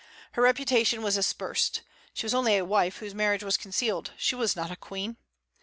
Her reputation was aspersed. She was only a wife whose marriage was concealed; she was not a queen.